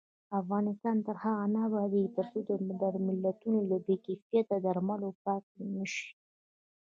افغانستان تر هغو نه ابادیږي، ترڅو درملتونونه له بې کیفیته درملو پاک نشي.